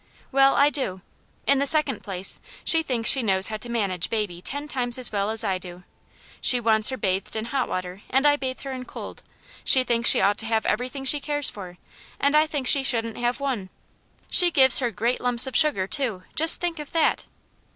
" Well, I do: In the second place, she thinks she knows how to manage baby ten times as well as I do. She wants her bathed in hot water, and I bathe her in cold. She thinks she ought to have every thing she cares for, and I think she shouldn't have one. She gives her great lumps of sugar, too, just think of that